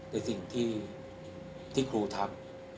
เป็นสิ่งที่ที่ครูทำ